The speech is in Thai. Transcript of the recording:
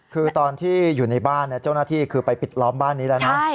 คือตอนที่อยู่ในบ้านเจ้าหน้าที่คือไปปิดล้อมบ้านนี้แล้วนะ